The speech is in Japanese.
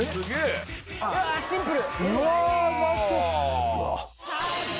うわーシンプル！